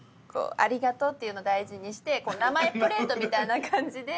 ありがとうっていうのを大事にして名前プレートみたいな感じで。